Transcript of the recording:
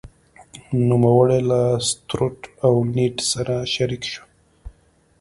نوموړی له ستروټ او نیډ سره شریک شو.